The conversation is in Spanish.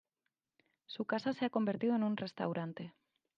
Su casa se ha convertido en un restaurante.